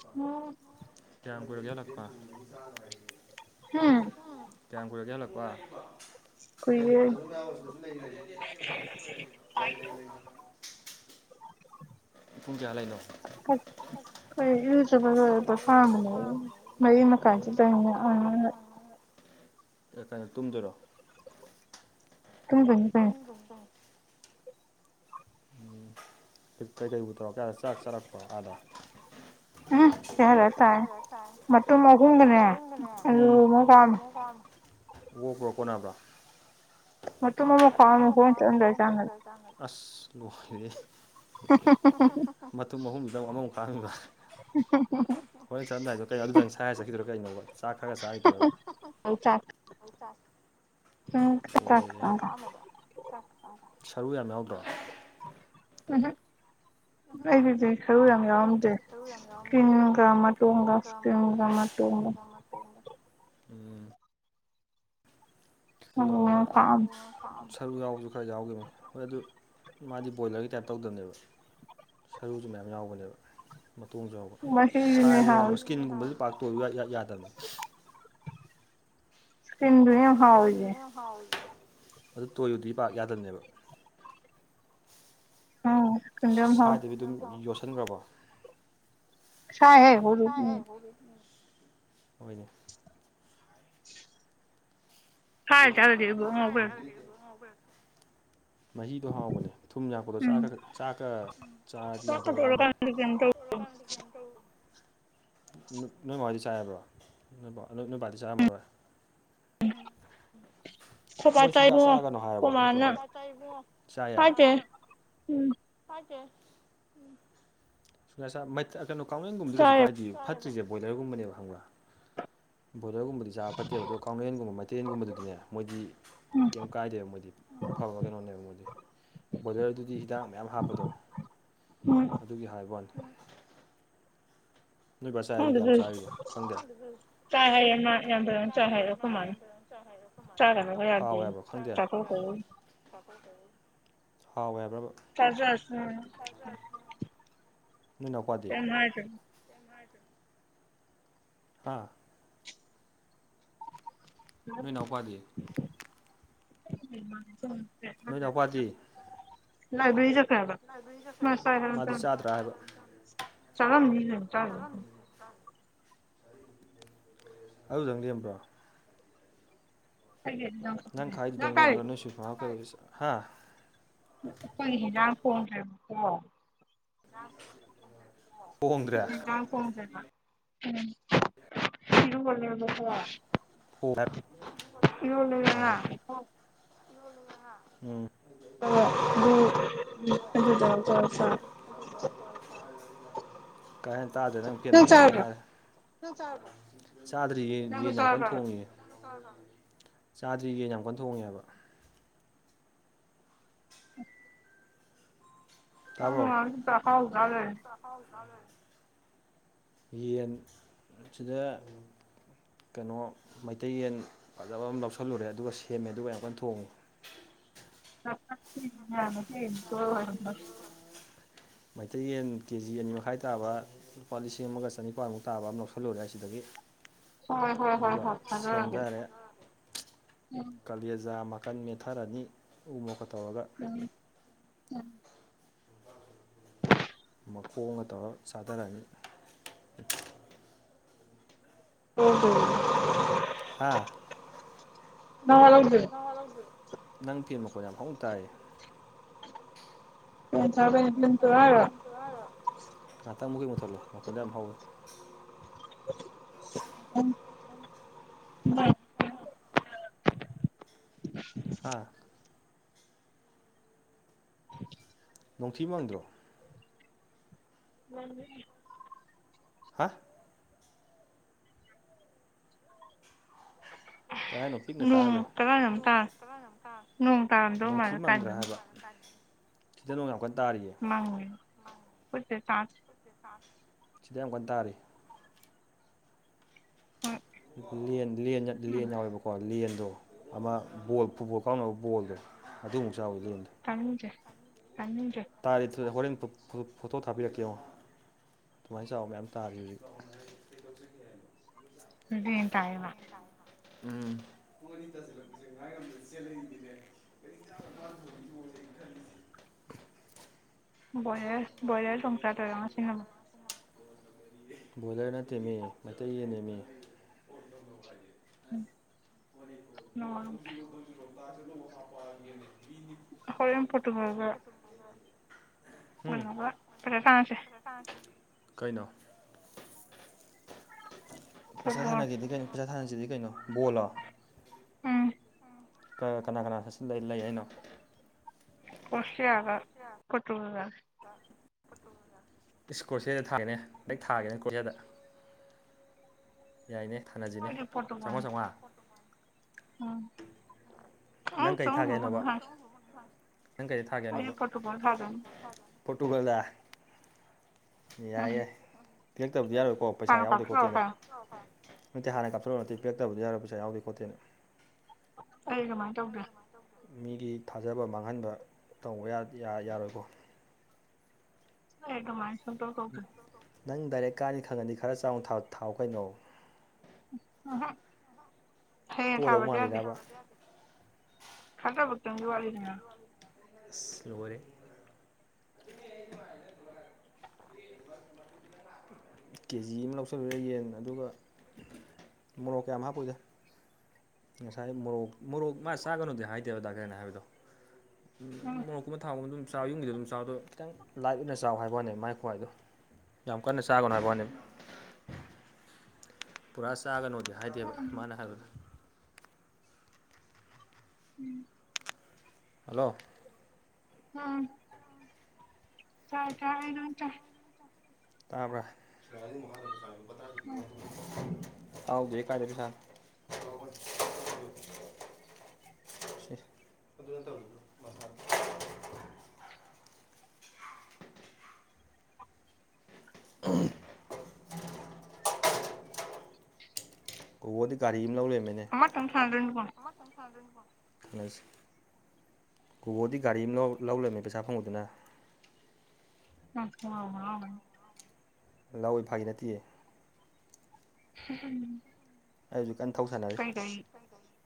ꯎꯝ ꯀꯌꯥꯝ ꯀꯨꯏꯔꯒ‌ꯦ ꯍꯜꯂꯥꯛꯄ ꯍꯝ ꯀꯌꯥꯝ ꯀꯨꯏꯔꯒꯦ ꯍꯜꯂꯛꯄ ꯀꯨꯏꯔꯦ [unintelligible] ꯄꯨꯡ ꯀꯌꯥ ꯍꯜꯂꯛꯏꯅꯣ [unintelligible] ꯑꯩ ꯏꯔꯨꯖꯕ ꯂꫭꯏꯔ ꯄꫭꯊꯥꯔꯝꯕꯅ‌ꯦ ꯃꯔꯤ ꯃꯈꯥꯏ ꯆꯠꯇꯣꯏꯅꯤ [unintelligible] ꯐꯔꯦ ꯐꯔꯦ ꯇꯨꯝꯗꯣꯏꯔꯣ ꯇꯨꯝꯗꫭꯏꯅꯤ ꯇꯨꯝꯗꫭꯏ ꯇꯧꯔꯤ ꯎꯝ ꯀꯩꯀꯩꯕꯨ ꯇꯧꯔꯛꯀꯦ ꯑꯥꯗ ꯆꯥꯛ ꯆꯥꯔꯛꯄꯣ ꯑꯥꯗ [unintelligible] [unintelligible] ꯃꯇꯨꯝ ꯑꯍꯨꯝꯒꯅ‌ꯦ ꯑꯃ ꯑꯂꯨ ꯀꯥꯝꯃꯦ ꯑꯃꯒ ꯎꯝ ꯑꯣꯛꯄ‍꯭ꯔꫭ ꯀꯣꯟꯅꯕ꯭ꯔꫭ ꯃꯇꯨꯝ ꯑꯃ ꯈꯥꯑꯝꯃꯤ ꯍꯣꯔꯦꯟ ꯆꯠꯂꯝꯗꯥꯏ ꯆꯥꯅꯕ ꯑꯁ ꯂꫭꯏꯔ‌ꯦꯍꯦ ꯃꯇꯨꯝ ꯑꯍꯨꯝꯗꯨꯗ ꯑꯃꯃꯨꯛ ꯈꯥꯛꯑꯝꯃꯤꯕ ꯍꯣꯔꯦꯟ ꯆꯠꯂꯝꯗꯥꯏꯗꯨꯗ ꯀꯩꯅꯣ ꯑꯗꯨꯗꯪ ꯁꯥꯏꯔ ꯆꯠꯈꯤꯗꯣꯏꯥꯔꯣ ꯀꯩꯅꯣꯕ ꯆꯥꯛ ꯈꯔꯒ ꯆꯥꯒꯤꯗꯣꯏꯔ ꯑꯩ ꯆꯥꯛ [unintelligible] ꯎꯝ ꯆꯥꯛ ꯈꯤꯇꯪ ꯀꯥꯏ ꯂꫭꯏꯔ‌ꯦꯍ‌ꯦ ꯁꯔꯨ ꯌꯥꯝ ꯌꯥꯎꯗ꯭ꯔꯣ [unintelligible] ꯑꯩꯒꯤꯗꯤ ꯁꯥꯔꯨ ꯌꯥꯝ ꯌꯥꯎꯔꯝꯗꯦ ꯏꯁꯀꯤꯟꯒ ꯃꯇꯣꯡꯒ ꯏꯁꯀꯤꯟꯒ ꯃꯇꯣꯡꯒ ꯎꯝ [unintelligible] ꯃꯔꯨ ꯌꯥꯝ ꯈꯥꯛꯑꯝꯃꯦ ꯁꯔꯨ ꯌꯥꯎꯕꯁꯨ ꯈꯔ ꯌꯥꯎꯒꯤꯃꯤ ꯍꯣꯏ ꯑꯗꯨ ꯃꯥꯗꯤ ꯕꯣꯏꯂꯔꯒꯤ ꯇꯥꯏꯞ ꯇꯧꯗꯕꯅꯦꯕ ꯁꯔꯨꯁꯨ ꯃꯌꯥꯝ ꯌꯥꯎꯕꯅꯦꯕ ꯃꯇꯣꯡꯁꯨ ꯌꯥꯎꯕ ꯃꯍꯤꯗꯨꯅꯦ ꯁꯥꯏꯕ ꯉꯝꯕ ꯍꯥꯎꯔꯤꯁꯦ ꯏꯁꯀꯤꯟꯒꯨꯝꯕꯁꯨ ꯄꯥꯛ ꯇꫭꯏꯌꯨ ꯏꯌꯥ ꯌꯥꯗꯕꯅꯤ [unintelligible] ꯏꯁꯀꯤꯟꯗꯨꯅꯤ ꯌꯥꯝ ꯍꯥꯎꯔꯤꯁꯤ ꯍꯥꯎꯔꯤꯁꯤ ꯑꯗꯨ ꯇꯣꯏꯌꯨꯗꯤ ꯄꯥꯛ ꯌꯥꯗꯕꯅꯦꯕ ꯎꯝ ꯏꯁꯀꯤꯟꯗꯣ ꯌꯥꯝ ꯍꯥꯎꯋꯦ ꯁꯥꯏꯗꯕꯤ ꯑꯗꯨꯝ ꯌꯣꯠꯁꯤꯟꯈ꯭ꯔꯕꯣ ꯁꯥꯏꯍꯦ ꯍꯧꯖꯤꯛ ꯎꯝ ꯁꯥꯏꯍ‌ꯦ ꯍꫭꯏꯅ‌ꯦ ꯐꯥꯔ ꯆꯥꯗꯗꯤ ꯏꯕꯨꯡꯉꯣ ꯑꯩꯈꯣꯏ [unintelligible] ꯃꯍꯤꯗꯣ ꯍꯥꯎꯕꯅꯦ ꯊꯨꯝ ꯌꯥꯛꯄꯗꯣ ꯎꯝ ꯆꯥꯛ ꯆꯥꯛꯀ ꯆꯥꯔꯗꯤ ꯆꯥꯛ ꯌꯥꯝ ꯀ ꯀꯟ ꯌꯥꯛꯑꯝꯃꯣꯏ ꯇꯣꯛꯂꯀꯥꯟꯗ ꯀꯩꯅꯣ ꯇꯧ ꯅꯣꯏ ꯃꯥꯗꯤ ꯆꯥꯏ ꯍꯥꯏꯕ꯭ꯔꯣ ꯅꯣꯏꯕꯥ ꯅꯣꯏꯕꯥꯗꯤ ꯆꯥꯔꯝꯃꯔꯣꯏ ꯎꯝ ꯃꯣꯏ ꯁꯨꯡꯆꯥ ꯆꯥꯒꯅꯣ ꯍꯥꯏꯑꯣꯕ ꯅꯠꯇ꯭ꯔꯗꯤ [unintelligible] ꯆꯥꯏꯌꯦ ꯆꯥꯏꯗꯦ ꯎꯝ ꯄꯥꯏꯗꯦ ꯉꯁ ꯃꯩꯠ ꯀꯩꯅꯣ ꯀꯥꯎꯅ ꯌꯦꯟꯒꯨꯝꯕꯗꯤ ꯀꯩꯁꯨ ꯆꯥꯏ ꯀꯥꯏꯗꯦ ꯐꯠ ꯇ꯭ꯔꯤꯁꯦ ꯕꯣꯏꯂꯔꯒꯨꯝꯅꯦꯕ ꯍꯪꯕꯥ ꯕꯣꯗꯔꯒꯨꯝꯕꯗꯤ ꯆꯥꯕ ꯐꯠꯇꯦꯕ ꯑꯗꯨꯒ ꯀꯦꯟꯒꯨꯝꯕ ꯃꯦꯇꯩ ꯌꯦꯟꯟꯒꯨꯝꯕꯗꯨꯗꯤꯅꯦ ꯃꯣꯏꯗꯤ ꯎꯝ ꯀꯩꯝ ꯀꯥꯏꯗꯦꯕ ꯃꯣꯏꯗꯤ ꯑꯐꯕ ꯀꯩꯅꯣꯅꯦꯕ ꯃꯣꯏꯗꯤ ꯕꯣꯏꯂꯔꯗꯨꯗꯤ ꯍꯤꯗꯥꯛ ꯃꯌꯥꯝ ꯍꯥꯞꯄꯗꯣ ꯎꯝ ꯑꯗꯨꯒꯤ ꯍꯥꯏꯕ ꯋꯥꯅꯤ ꯅꯣꯏ ꯕꯥ ꯆꯥꯏ ꯍꯥꯏꯗꯤ ꯈꯪꯗꯦ ꯀꯌꯥꯝ ꯑꯗꯨ ꯆꯥꯔꯤꯕ ꯈꯪꯗꯦ ꯆꯥꯏ ꯍꯥꯏꯌꯦ ꯃꯥ ꯌꯥꯝꯐꯥꯖꯅ ꯆꯥꯏ ꯍꯥꯏꯔ ꯑꯈꯣꯏꯃꯥ ꯅꯥ ꯆꯥꯒꯅꯣꯒꯥ ꯌꯥꯗꯦꯌꯦ ꯆꯠꯊꯣꯛꯇꯣꯒꯤ ꯍꯥꯎꯏ ꯍꯥꯏꯕ꯭ꯔꯕ ꯆꯖꯁꯥꯅꯨ ꯅꯣꯏꯅꯎꯄꯥꯗꯤ ꯃꯥꯏꯖꯨ [inaudible] ꯍꯥꯥ ꯅꯣꯏꯅꯥꯎꯄꯥꯗꯤ [inaudible] ꯅꯣꯏ ꯅꯎꯄꯥꯗꯤ ꯂꯥꯏꯕꯦꯔꯤ ꯆꯈ꯭ꯔꯦ ꯍꯥꯏꯕ ꯃꯥ ꯃꯥꯗꯤ ꯆꯥꯗ꯭ꯔꯥ ꯍꯥꯏꯕ [unintelligible] ꯆꯪꯉꯝ ꯅꯤꯅ ꯆꯪ ꯑꯗꯨꯗꯪ ꯂꯦꯝꯕ꯭ꯔꯣ [unintelligible] ꯅꯪ ꯈꯥꯏꯗꯗꯪꯕ꯭ꯔꯣ ꯅꯣꯏ [unintelligible] ꯍꯥ ꯑꯩꯈꯣꯏ ꯍꯦꯟꯖꯥꯡ ꯊꯣꯡꯗ꯭ꯔꯦꯕꯥꯀꯣ ꯍꯣꯡꯗ꯭ꯔꯦ [unintelligible] [unintelligible] ꯑꯥ ꯏꯔꯣꯜꯂꯦꯗꯅ ꯎꯝ [unintelligible] ꯀꯥ ꯍꯦꯟꯅ ꯇꯥꯗ꯭ꯔꯦ ꯅꯪ ꯄꯦꯟ ꯃꯈꯣꯡ ꯉꯥꯛꯇꯪ ꯉꯥꯏꯔꯦ ꯅꯪ ꯆꯥꯔꯕꯣ ꯆꯥꯗ꯭ꯔꯤꯌꯦ ꯅꯪꯁꯨ ꯌꯦꯟ ꯌꯥꯝ ꯀꯟꯅ ꯆꯥꯔꯕ ꯊꯣꯡꯉꯤꯌꯦ ꯆꯥꯗ꯭ꯔꯤꯌꯦ ꯌꯥꯝ ꯀꯟꯅ ꯊꯣꯡꯉꯤ ꯍꯥꯏꯕ ꯇꯥꯕ꯭ꯔꯣ [unintelligible] ꯑꯍꯥꯎ ꯆꯥ ꯂꯩꯔꯦ ꯌꯦꯟ ꯁꯤꯗ ꯀꯩꯅꯣ ꯃꯩꯇꯩ ꯌꯦꯟ ꯐꯖꯕ ꯑꯃ ꯂꯧꯁꯜꯂꯨꯔꯦ ꯑꯗꯨꯒ ꯁꯦꯝꯃꯦ ꯑꯗꯨꯒ ꯌꯥꯝ ꯀꯟ ꯊꯣꯡꯉꯤ [unintelligible] ꯃꯩꯇꯩ ꯌꯦꯟ ꯀꯦ ꯖꯤ ꯑꯅꯤ ꯃꯈꯥꯏ ꯇꯥꯕ ꯂꯨꯄꯥ ꯂꯤꯁꯤꯡ ꯑꯃꯒ ꯆꯅꯤꯄꯥꯟꯃꯨꯛ ꯇꯥꯕ ꯑꯃ ꯂꯧꯁꯤꯜꯂꯨꯔꯦ ꯑꯁꯤꯗꯒꯤ ꯍꯣꯏ ꯍꯣꯏ ꯍꯣꯏ ꯍꯣꯏ ꯊꯖꯔꯒꯦ ꯎꯝ ꯀꯂꯦꯖꯥ ꯃꯈꯀꯟ ꯃꯦꯠꯊꯔꯅꯤ ꯎ ꯃꯣꯛꯀꯥ ꯇꯧꯔꯒ ꯎꯝ ꯎꯝ ꯃꯈꯣꯡꯒ ꯇꯧꯔ ꯆꯥꯗꯥꯔꯅꯤ ꯑꯣ ꯍꯣ ꯍꯥꯥ ꯅꯋꯥ ꯂꯧꯗꯦ ꯅꯋꯥ ꯂꯧꯗꯦ ꯅꯪ ꯐ‌ꯦꯟ ꯃꯈꯣꯟ ꯌꯥꯝ ꯍꯧꯅ ꯇꯥꯏꯌꯦ [unintelligible] ꯉꯍꯥꯛꯇꯪ ꯃꯨꯠꯀꯤ ꯃꯨꯊꯠꯂꯣ ꯃꯈꯣꯟꯗ‌ꯣ ꯌꯥꯝ ꯍꯧꯋꯦ ꯎꯝ ꯍꯥꯥ ꯅꯣꯡꯊꯤ ꯃꯪꯗ꯭ꯔꯣ ꯃꯡꯉ‌ꯦ ꯍꯥ ꯀ ꯍꯥꯏꯅꯣ ꯅꯣꯡ ꯄꯤꯛꯅ ꯇꯥꯒ꯭ꯔꯦ ꯀꯗꯥꯏꯅꯣꯝ ꯇꯥꯔꯦ [unintelligible] ꯍꯥ‌ ꯅꯣꯡ ꯇꯥꯔꯝꯗꯧ ꯅ‌ꯣꯡꯊꯤ ꯃꯥꯜꯂꯦ ꯃꯪꯗ꯭ꯔꯥ ꯀꯥꯏꯗꯅꯣꯝ ꯍꯥꯏꯕ ꯁꯤꯗ ꯅꯣꯡ ꯌꯥꯝ ꯀꯟꯅ ꯇꯥꯔꯤꯌꯦ ꯃꯡꯉ‌ꯦ ꯈ‌ꯣꯏ [unintelligible] ꯁꯤꯗ ꯌꯥꯝ ꯀꯟꯅ ꯇꯥꯔꯤ ꯍꯣꯏ ꯂ‌ꯦꯟ ꯂ‌ꯦꯟꯌꯠ ꯎꯝ ꯂ‌ꯦꯟ ꯌꯥꯎꯋꯦꯕ ꯀꯣ ꯂꯦꯟꯗꯣ ꯑꯃ ꯕꯣꯜ ꯐꯨꯠꯕꯣꯜ ꯀꯥꯎꯅꯕ ꯕꯣꯜꯗꯣ ꯑꯗꯨꯃꯨꯛ ꯆꯥꯎꯋꯤ ꯂꯦꯟꯗꯣ ꯀꯡꯗ꯭ꯔ‌ꯦ ꯇꯥꯅꯤꯡꯗ꯭ꯔ‌ꯦ ꯇꯥꯔꯤ ꯍꯣꯔꯦꯟ ꯐꯣꯇꯣ ꯊꯥꯕꯤꯔꯛꯀꯦ ꯌ‌ꯦꯡꯉꯣ ꯑꯗꯨꯃꯥꯏ ꯆꯥꯎꯕ ꯃꯌꯥꯝ ꯇꯥꯔꯤ ꯍꯧꯖꯤꯛ ꯔ‌ꯦꯟ ꯇꯥꯏꯑꯦꯕ ꯎꯝ ꯄꯨꯡ ꯑꯅꯤ ꯇꯥꯁꯤꯜꯂꯛꯄꯁꯦ ꯉꯥꯏ ꯉꯝꯗ ꯆꯦꯜꯂꯛꯏꯅꯤꯅꯦ [unintelligible] ꯕꯣꯏꯂ‌ꯦꯁ ꯕ‌ꯣꯏꯂ꯭ꯔ ꯊ‌ꯣꯡ ꯕꯣꯏꯂ꯭ꯔ ꯅꯠꯇ‌ꯦꯃꯤ ꯃꯩꯇꯩ ꯌ‌ꯦꯟꯅ‌ꯦꯃꯤ ꯎꯝ ꯅꯋꯥ ꯂꯧꯗꯦ ꯑꯗꯨꯒ ꯑꯃꯨꯛ ꯍꯥꯞꯄꯛꯑꯒ‌ꯦꯅ‌ꯦ ꯑꯈ‌ꯣꯏꯔ‌ꯣꯝ ꯄ‌ꯣꯇꯨꯒꯜꯒ ꯎꯝ ꯀꯩꯅ‌ꯣꯒ ꯄꯩꯁꯥ ꯊꯥꯅꯁꯦ ꯍꯥ‌ ꯀꯩꯅꯣ ꯄꯩꯁꯥ ꯐꯨꯠꯕꯣꯜ ꯊꯥꯅꯒ‌ꯦꯗꯤ ꯀꯩꯅꯣ ꯄꯩꯁꯥ ꯊꯥꯅꯁꯤꯗꯤ ꯀꯩꯅꯣ ꯕꯣꯜꯂ‌ꯣ ꯎꯝ ꯀ‌ ꯀꯅꯥ ꯀꯅꯥ [unintelligible] ꯂꯩ ꯍꯥꯏꯅꯣ ꯄ‌ꯣꯁꯤꯌꯥꯒ ꯄ‌ꯣꯇꯨꯒꯜꯒ ꯏꯁ ꯀꯣꯔꯁꯤꯌꯥꯗ ꯊꯥꯒꯦꯅꯦ ꯍ‌ꯦꯛ ꯊꯥꯒꯦꯅꯦ ꯀꯣꯔꯤꯌꯥꯗ ꯌꯥꯏꯅꯦ ꯊꯥꯅꯖꯤꯅꯦ ꯑꯩꯗꯤ ꯄꯣꯔꯇꯨꯒꯜ ꯆꯉ꯭ꯋꯥ ꯆꯉ꯭ꯋꯥ ꯎꯝ ꯅꯪ ꯎꯝ ꯀꯩ ꯊꯥꯒꯦ ꯍꯥꯏꯅꯣꯕ ꯆꯍꯨꯝ [unintelligible] ꯅꯪ ꯀꯩꯗ ꯊꯥꯒꯦ ꯍꯥꯏꯅꯣꯕ ꯊꯥꯗꯣꯏꯅꯤ ꯄꯣꯔꯇꯨꯒꯜꯗ ꯌꯥꯏ ꯎꯝ ꯌꯥꯏ ꯄꯤꯔꯛꯇꯕꯗꯤ ꯌꯥꯔꯣꯏꯀꯣ ꯄꯩꯁꯥ ꯍꯥꯟꯅ ꯌꯥꯎꯗꯦ ꯈꯣꯠꯇꯦꯅ ꯀꯥꯞꯁꯤꯜꯂꯛꯑꯣ ꯅꯠꯇꯦ ꯍꯥꯟꯅ ꯀꯥꯞꯆꯔꯛꯑꯣ ꯅꯠꯇꯦ ꯄꯤꯔꯛꯇꯕꯗꯤ ꯌꯥꯔꯣꯏ ꯄꯩꯥꯁꯥ ꯌꯥꯎꯗꯦ ꯈꯣꯠꯇꯦꯅ ꯑꯩꯗꯤ ꯗꯨꯃꯥꯏ ꯇꯧꯗꯦ ꯃꯤꯒꯤ ꯊꯥꯖꯕ ꯃꯥꯡꯍꯟꯕ ꯇꯧꯕ ꯌꯥꯠ ꯌ ꯌꯥꯔꯣꯏꯀꯣ ꯑꯩ ꯑꯗꯨꯃꯥꯏꯟ ꯅꯪ ꯗꯥꯏꯔꯦꯛ ꯀꯥꯅꯤ ꯈꯪꯉꯗꯤ ꯈꯔ ꯆꯥꯎꯅ ꯊ‌ ꯊꯥꯎ ꯀꯩꯅꯣ ꯎꯝꯍꯨꯝ ꯍꯌꯦꯡ ꯄꯣꯗꯧ ꯊꯥꯕꯗꯤ ꯃꯥꯜꯂꯤꯔꯕ ꯈꯟꯗꯕ ꯈꯤꯇꯪꯗꯤ ꯋꯥꯠꯂꯤꯗꯅ ꯑꯁ ꯂꯣꯔꯦ [unintelligible] [inaudible] ꯀꯦꯖꯤ ꯑꯃ ꯂꯧꯁꯤꯜꯂꯨꯔꯦ ꯌꯦꯟ ꯑꯗꯨꯒ ꯃꯣꯔꯣꯛ ꯀꯌꯥꯝ ꯍꯥꯞꯄꯣꯏꯗ ꯉꯁꯥꯏ ꯃꯣꯔꯣꯛ ꯃꯣꯔꯣꯛ ꯃꯥ ꯆꯥꯒꯅꯨꯗꯤ ꯍꯥꯏꯗꯦꯕ ꯗꯥ [unintelligible] ꯍꯥꯏꯕꯗꯣ ꯎꯝ ꯎꯝ ꯃꯣꯔꯣꯛꯀꯨꯝꯕ ꯊꯥꯎꯒꯨꯝꯕ ꯑꯗꯨꯝ ꯆꯥꯎ ꯌꯨꯝꯒꯤꯗꯤ ꯑꯗꯨꯝ ꯆꯥꯎꯗꯣ ꯈꯤꯇꯪ ꯂꯥꯏꯠ ꯑꯣꯏꯅ ꯆꯥꯎ ꯍꯥꯏꯕ ꯋꯥꯅꯦ ꯃꯥꯏ ꯈꯨꯍꯥꯏꯗꯣ ꯌꯥꯝ ꯀꯟꯅ ꯆꯥꯒꯅꯨ ꯍꯥꯏꯕꯋꯅꯦꯕ ꯄꯨꯔꯥ ꯆꯥꯒꯅꯣꯗꯤ ꯍꯥꯏꯗꯦꯕ ꯎꯝ ꯃꯥꯅ ꯍꯥꯏꯕꯗꯣ [inaudible] ꯍꯜꯂꯣ ꯎꯝ ꯆꯥꯢ ꯆꯥꯢ ꯑꯩ ꯂꯣꯢ ꯆꯥꯏ ꯇꯥꯕ꯭ꯔꯥ ꯎꯝ [unintelligible] ꯌꯥꯎꯗ꯭ꯔꯦ ꯀꯥꯏꯗꯩꯩ ꯄꯩꯁꯅꯣ ꯎꯝ ꯀꯣꯀꯣꯗꯤ ꯒꯥꯔꯤ ꯑꯃꯥ ꯂꯧ ꯂꯩꯔꯝꯃꯦ ꯑꯃꯥꯇꯪ ꯊꯥꯗꯣꯏꯅꯤꯀꯣ [unintelligible] ꯀꯣꯀꯣꯗꯤ ꯒꯥꯔꯤ ꯑꯃ ꯂꯧ ꯂꯧ ꯂꯩꯔꯝꯃꯦ ꯄꯩꯁꯥ ꯐꯪꯕꯗꯨꯅ [unintelligible] ꯂꯧꯏ ꯐꯥꯒꯤ ꯅꯠꯇꯤꯌꯦ ꯍꯝ ꯍꯝ ꯑꯩ ꯍꯧꯖꯤꯛ ꯀꯟꯅ ꯊꯧ ꯁꯥꯟꯅꯔꯤ ꯀꯩꯗꯩ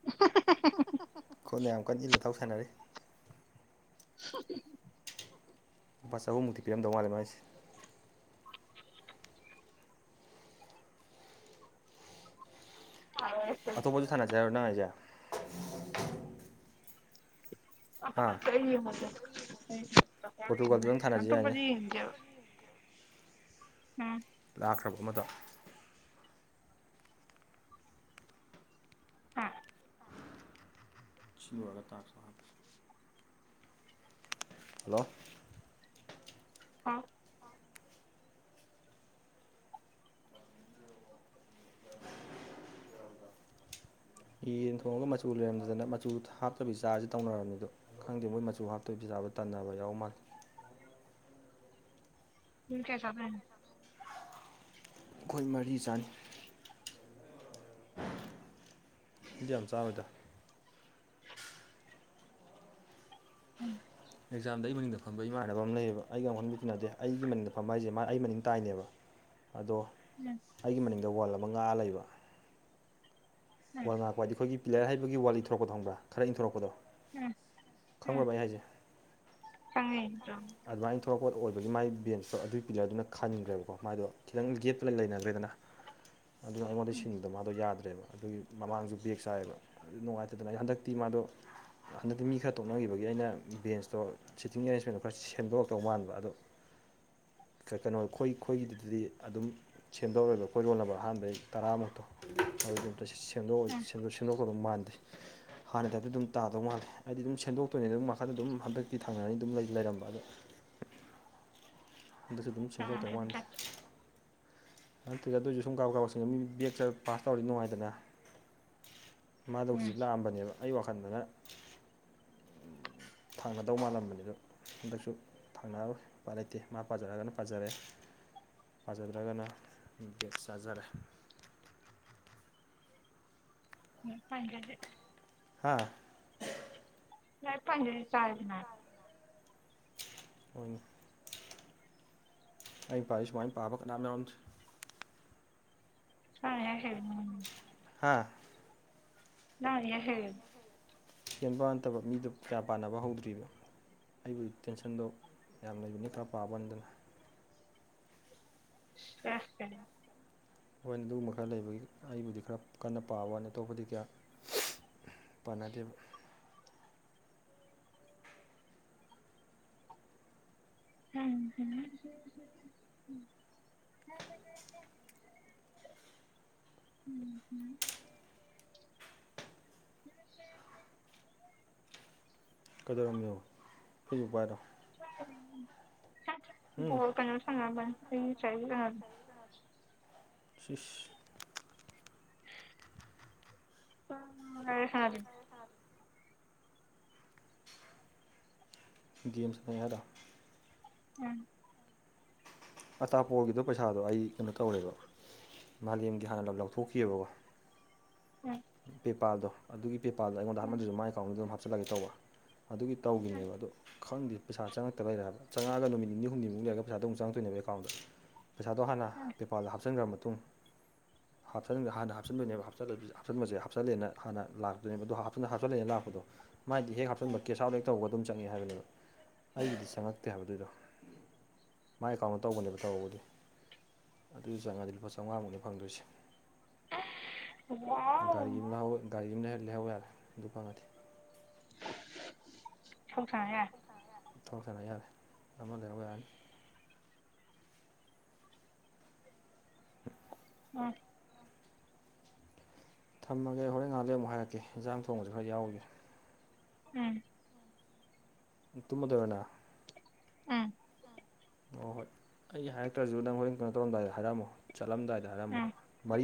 [unintelligible] ꯈꯣꯡꯅ ꯌꯥꯝ ꯀꯟꯅ ꯢꯜꯂ ꯊꯧ ꯁꯥꯟꯅꯔꯤ [inaudible] ꯂꯨꯄꯥ ꯆꯥꯍꯨꯝ ꯃꯨꯛꯇꯤ ꯄꯤꯔꯝꯗꯧ ꯃꯥꯜꯂꯦ ꯃꯥꯏꯁꯤ [unintelligible] ꯑꯇꯣꯞꯄꯁꯨ ꯊꯥꯅꯁꯦ ꯍꯥꯏꯔꯣ ꯅꯪ ꯍꯥꯏꯁꯦ ꯍꯥꯥ ꯑꯩ ꯌꯦꯡꯉꯣꯁꯦ ꯄꯣꯔꯇꯨꯒꯥꯜꯗꯨꯗꯪ ꯊꯥꯅꯁꯤ ꯌꯥꯏꯅꯦ ꯑꯇꯣꯞꯄꯗꯤ ꯌꯦꯡꯅꯤꯡꯗꯦꯕ ꯎꯝ ꯂꯥꯛꯈ꯭ꯔꯥꯕ ꯑꯃꯗꯣ [inaudible] ꯁꯤ ꯂꯣꯏꯔꯒ [unintelligible] ꯍꯜꯂꯣ ꯍꯥꯎ ꯌꯦꯟ ꯊꯣꯡꯉꯒ ꯃꯆꯨ ꯂꯩꯔꯝꯗꯗꯅ ꯃꯆꯨ ꯍꯥꯞꯇꯕꯤ ꯆꯥꯔꯁꯤ ꯇꯧꯅꯔꯕꯅꯤꯗꯨ ꯈꯪꯗꯦ ꯃꯣꯏ ꯃꯆꯨ ꯍꯥꯞꯇꯕꯤ ꯆꯥꯕ ꯇꯟꯅꯕ ꯌꯥꯎꯃꯜꯂꯦ ꯃꯤ ꯀꯌꯥ ꯆꯗꯣꯏꯅꯣ ꯑꯩꯈꯣꯏ ꯃꯔꯤ ꯆꯥꯅꯤ ꯑꯩꯗꯤ ꯌꯥꯝ ꯆꯔꯣꯏꯗ [inaudible] ꯑꯦꯛꯖꯥꯝꯗ ꯑꯩ ꯃꯅꯤꯡꯗ ꯐꯝꯕ ꯏꯃꯥꯟꯅꯕ ꯑꯃ ꯂꯩꯌꯦꯕ ꯑꯩꯒ ꯑꯃꯨꯛꯍꯟꯅꯗꯤ ꯇꯤꯟꯅꯗꯦ ꯑꯩꯒꯤ ꯃꯅꯤꯡꯗ ꯐꯝꯕ ꯍꯥꯏꯁꯦ ꯃꯥ ꯑꯩ ꯃꯅꯤꯡ ꯇꯥꯏꯅꯦꯕ ꯑꯗꯣ [unintelligible] ꯑꯩꯒꯤ ꯃꯅꯤꯡꯗ ꯋꯥꯜ ꯑꯃ ꯉꯥꯛꯑ ꯂꯩꯕ ꯎꯝ ꯋꯥꯜ ꯉꯥꯛꯄ ꯍꯥꯏꯗꯤ ꯑꯈꯣꯏꯒꯤ ꯄꯤꯂ꯭ꯔ ꯍꯩꯕꯒꯤ ꯋꯥꯜ ꯂꯤꯊꯣꯔꯛꯄꯥꯗꯣ ꯈꯪꯕ꯭ꫪꯥ ꯈꯔꯥ ꯏꯟꯊꯣꯔꯛꯄꯗꯣ ꯎꯝ ꯎꯝ ꯈꯪꯕ꯭ꯔꯥꯕ ꯑꯩ ꯍꯥꯏꯁꯦ ꯈꯪꯉꯦ ꯑꯗꯨꯃꯥꯏꯅ ꯊꯣꯛꯂꯛꯄ ꯑꯣꯏꯕꯒꯤ ꯃꯥꯏ ꯕꯦꯟꯁꯇꯣ ꯑꯗꯨꯏ ꯄꯤꯜꯂꯔꯗꯨꯅ ꯈꯟꯒ꯭ꯔꯦꯕ ꯃꯥꯏꯗꯣ ꯈꯤꯇꯪ ꯒꯦꯞꯇꯣ ꯂꯩꯅꯒ꯭ꯔꯦꯗꯅ ꯑꯗꯨꯅ ꯑꯩꯉꯣꯟꯗꯒꯤ ꯁꯤꯟꯕꯗꯣ ꯃꯥꯗꯣ ꯌꯥꯗ꯭ꯔꯦꯕ ꯑꯗꯨꯒꯤ ꯃꯃꯥꯡꯁꯨ ꯕꯦꯛ ꯆꯥꯏꯌꯦꯕ ꯅꯨꯉꯥꯏꯇꯗꯅ ꯑꯩ ꯍꯟꯗꯛꯇꯤ ꯃꯥꯗꯣ ꯍꯟꯗꯛꯇꯤ ꯃꯤ ꯈꯔ ꯇꯣꯛꯅꯈꯤꯕꯒꯤ ꯑꯩꯅ ꯕꯦꯟꯁꯇꯣ ꯁꯤꯇꯤꯡ ꯑꯦꯔꯦꯟꯁꯃꯦꯟꯗꯣ ꯈꯔ ꯁꯦꯝꯗꯣꯔꯛꯇꯧ ꯃꯥꯟꯕ ꯑꯗꯣ ꯀ ꯀꯅꯣ ꯑꯈꯣꯏ ꯈꯣꯏꯒꯤꯗꯨꯗꯤ ꯑꯗꯨꯝ ꯁꯦꯝꯗꯣꯛꯑꯔꯣꯏꯕ ꯑꯈꯣꯏ ꯔꯣꯜ ꯅꯝꯕꯔ ꯑꯍꯥꯟꯕꯩ ꯇꯔꯥꯃꯨꯛꯇꯣ ꯑꯗꯨꯗ ꯁꯦꯝꯗꯣ ꯁꯦꯝꯗꯣ ꯎꯝ ꯁꯦꯝ ꯁꯦꯝ ꯁꯦꯝꯗꯣꯛꯀꯗꯧ ꯃꯥꯟꯗꯦ ꯍꯥꯟꯅꯩ ꯇꯥꯏꯞꯇ ꯗꯨꯝ ꯇꯥꯗꯧ ꯃꯥꯜꯂꯦ ꯑꯩꯗꯤ ꯑꯗꯨꯝ ꯁꯦꯝꯗꯣꯛꯇꯣꯏꯅꯦꯅ ꯋꯥꯈꯜꯗꯗꯨꯝ ꯍꯟꯗꯛꯇꯤ ꯊꯪꯅꯔꯅꯤ ꯗꯨꯝ ꯂꯩ ꯂꯩꯔꯝꯕ ꯑꯗꯨꯅ ꯍꯟꯗꯛꯁꯨ ꯑꯗꯨꯝ ꯁꯦꯝꯗꯣꯛꯇꯧ ꯃꯥꯟꯗꯦ ꯅꯠꯇꯦꯗ ꯑꯗꯨꯏꯁꯨ ꯁꯨꯝ ꯀꯥꯕꯛ ꯀꯥꯕꯛ ꯁꯤꯟꯅꯅꯤ ꯃꯤ ꯕꯦꯛ ꯆꯥꯕꯗꯨ ꯄꯥꯁ ꯇꯧꯔꯗꯤ ꯅꯨꯡꯉꯥꯏꯗꯅ ꯃꯥꯗꯣ ꯍꯧꯖꯤꯛ ꯂꯥꯛꯑꯝꯕꯅꯦꯕ ꯑꯩ ꯋꯥꯈꯜꯗꯅ ꯊꯪꯅꯗꯧ ꯃꯥꯜꯂꯝꯕꯅꯤ ꯑꯗꯣ ꯍꯟꯗꯛꯁꯨ ꯊꯪꯅꯔꯔꯣꯏ ꯎꯄꯥꯏ ꯂꯩꯇꯦ ꯃꯥ ꯄꯥꯖꯔꯒꯅ ꯄꯥꯖꯔꯦ ꯄꯥꯖꯗ꯭ꯔꯒꯅ ꯕꯦꯛ ꯆꯥꯖꯔꯦ [unintelligible] ꯍꯥꯥ ꯂꯥꯏꯔꯤꯛ ꯄꯥꯅꯤꯡꯗ꯭ꯔꯗꯤ ꯆꯥꯔꯦꯗꯅ ꯍꯣꯏꯅꯦ ꯑꯩ ꯄꯥꯔꯤ ꯁꯨꯃꯥꯏꯅ ꯄꯥꯕ ꯀꯅꯥꯝ ꯌꯥꯎꯔꯝꯗꯦ [unintelligible] ꯍꯥꯥ ꯅꯪꯅ ꯏꯍꯩ ꯍꯩꯌꯦꯕ ꯍꯦꯟꯕꯩ ꯋꯥ ꯅꯠꯇꯕ ꯃꯤꯗꯨ ꯀꯌꯥ ꯄꯥꯅꯕ ꯍꯧꯗ꯭ꯔꯤꯕ ꯑꯩꯕꯨꯗꯤ ꯇꯦꯟꯁꯟꯗꯣ ꯌꯥꯝ ꯂꯩꯕꯅꯤꯅ ꯈꯔ ꯄꯥꯕ ꯋꯥꯅꯤꯗꯅ [unintelligible] ꯍꯣꯏ ꯑꯗꯨꯒꯨꯝꯕ ꯈꯔ ꯂꯩꯕꯒꯤ ꯑꯩꯕꯨꯗꯤ ꯈꯔ ꯀꯟꯅ ꯄꯥꯕ ꯋꯥꯅꯤ ꯑꯇꯣꯞꯄꯗꯤ ꯀꯌꯥ ꯄꯥꯅꯗꯦꯕ [inaudible] [inaudible] ꯀꯩꯗꯧꯔꯝꯃꯤꯅꯣ ꯐꯦꯁꯕꯨꯛ ꯄꯥꯏꯔꯣ [inaudible] ꯎꯝ ꯕꯣꯜ ꯀꯩꯅꯣ ꯁꯅꯔꯝꯕꯅꯤ [unintelligible] ꯁꯤꯏꯁ [inaudible] [unintelligible] ꯒꯦꯝ ꯁꯥꯟꯅꯩ ꯍꯥꯏꯔꯣ ꯎꯝ ꯑꯇꯥꯄꯣꯒꯤꯗꯣ ꯄꯩꯁꯥꯗꯣ ꯑꯩ ꯀꯩꯅꯣ ꯇꯧꯔꯦꯕ ꯃꯥꯂꯦꯝꯒꯤ ꯍꯥꯟꯅ ꯂꯧꯊꯣꯛꯈꯤꯑꯦꯕꯀꯣ ꯎꯝ ꯄꯦꯄꯥꯜꯗꯣ ꯑꯗꯨꯒꯤ ꯄꯦꯄꯥꯜꯗꯣ ꯑꯩꯉꯣꯟꯗ ꯑꯃꯗꯨꯖꯨ ꯃꯥꯏ ꯑꯦꯀꯥꯎꯟꯗ ꯑꯗꯨꯝ ꯍꯥꯞꯆꯤꯜꯂꯒꯦ ꯇꯧꯕ ꯑꯗꯨꯒꯤ ꯎꯝ ꯇꯧꯒꯤꯕꯅꯦꯕ ꯑꯗꯣ ꯈꯪꯗꯦ ꯄꯩꯁꯥ ꯆꯪꯉꯛꯇ ꯂꯩꯔꯦ ꯍꯥꯏꯕ ꯆꯪꯉꯛꯑꯒ ꯅꯨꯃꯤꯠ ꯅꯤ ꯍꯨꯝꯅꯤꯃꯨꯛ ꯂꯩꯔ ꯄꯩꯁꯥꯗꯣ ꯑꯃꯨꯛ ꯆꯪꯉꯛꯇꯣꯏꯅꯦꯕ ꯑꯦꯀꯥꯎꯟꯗ ꯄꯩꯁꯥꯗꯣ ꯍꯥꯟꯅ ꯄꯦꯄꯥꯜꯗ ꯍꯥꯞꯆꯤꯟꯒꯔꯕ ꯃꯇꯨꯡ ꯍꯥꯞꯆꯤꯟꯒꯔ ꯍꯥꯟꯅ ꯍꯥꯞꯆꯤꯟꯗꯨꯏꯅꯦꯕ ꯍꯥꯞꯆꯤꯜꯂꯁꯨ ꯁꯤꯗ ꯍꯥꯞꯆꯤꯟꯕꯁꯦ ꯍꯥꯞꯆꯜꯂꯦꯅ ꯍꯥꯟꯅ ꯂꯥꯛꯇꯣꯏꯅꯦ ꯑꯗꯣ ꯍꯥꯞꯆꯤꯟ ꯍꯥꯞꯆꯤꯟꯂꯦꯅ ꯂꯥꯛꯄꯗꯣ ꯃꯥꯗꯤ ꯍꯦꯛ ꯍꯞꯆꯟꯕ ꯀꯦꯁ ꯑꯥꯏꯠ ꯂꯩ ꯇꯧꯕꯒ ꯑꯗꯨꯝ ꯆꯪꯉꯛꯑꯦ ꯍꯥꯏꯕꯅꯦꯕ ꯑꯩꯒꯤꯗꯤ ꯆꯪꯉꯛꯇꯦ ꯍꯥꯏꯕꯑꯗꯨꯏꯗꯣ ꯃꯥꯏ ꯑꯦꯀꯥꯎꯟ ꯇꯧꯕꯅꯦꯕ ꯇꯧꯕꯕꯨꯗꯤ ꯑꯗꯨꯏꯗꯣ ꯆꯪꯉꯛꯑꯗꯤ ꯂꯨꯄꯥ ꯆꯥꯝꯃꯉꯥꯃꯨꯛꯅꯤ ꯐꯪꯗꯣꯏꯁꯦ ꯎꯝ ꯋꯥꯎ ꯒꯥꯔꯤ ꯑꯃ ꯂꯧꯍꯧ ꯒꯥꯔꯤ ꯑꯃ ꯂꯩꯍꯧ ꯌꯥꯔꯦ ꯑꯗꯨ ꯐꯪꯉꯗꯤ ꯊꯧ ꯁꯥꯟꯅ ꯌꯥꯔꯦ ꯊꯧꯁꯥꯟꯅ ꯌꯥꯔꯦ ꯑꯃ ꯂꯩꯍꯧ ꯌꯥꯅꯤ [inaudible] ꯎꯝ ꯊꯝꯃꯒꯦ ꯍꯣꯔꯦꯟ ꯉꯍꯛ ꯂꯩꯔ ꯑꯃꯨꯛ ꯍꯥꯏꯔꯛꯀꯦ ꯏꯟꯁꯥꯡ ꯊꯣꯡꯕꯁꯨ ꯈꯔ ꯌꯥꯎꯔꯨꯒꯦ ꯎꯝ ꯇꯨꯝꯃꯗꯣꯏꯔꫭ ꯅꯪ ꯎꯝ ꯍꯣ ꯍꯣꯏ ꯑꯩ ꯍꯥꯏꯔꯛꯇ꯭ꯔꯁꯨ ꯅꯪ ꯍꯣꯔꯦꯟ ꯀꯩꯅꯣ ꯇꯧꯔꯝꯗꯥꯏꯗ ꯍꯥꯏꯔꯝꯃꯣ ꯆꯠꯂꯝꯗꯥꯏꯗ ꯎꯝ ꯍꯥꯏꯔꯝꯃꯣ ꯃꯔꯤ